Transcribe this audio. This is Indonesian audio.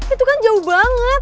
itu kan jauh banget